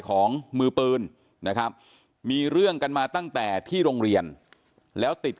ของมือปืนนะครับมีเรื่องกันมาตั้งแต่ที่โรงเรียนแล้วติด